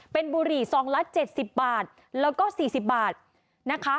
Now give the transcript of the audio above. เป็นบุหรี่ซองละ๗๐บาทแล้วก็๔๐บาทนะคะ